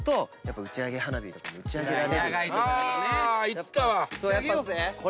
いつかは。